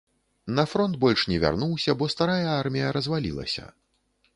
На фронт больш не вярнуўся, бо старая армія развалілася.